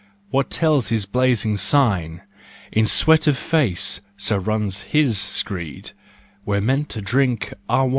What tells his blazing sign ? In sweat of face (so runs his screed) We're meant to drink our wine!